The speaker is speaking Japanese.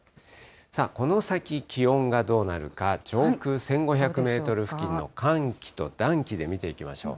さあ、この先、気温がどうなるか、上空１５００メートル付近の寒気と暖気で見ていきましょう。